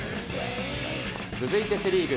続いてセ・リーグ。